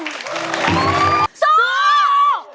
สู้